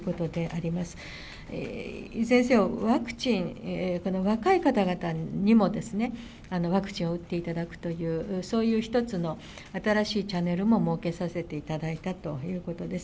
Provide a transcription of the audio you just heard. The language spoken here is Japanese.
いずれにせよ、ワクチン、若い方々にもワクチンを打っていただくという、そういう一つの新しいチャンネルも設けさせていただいたということです。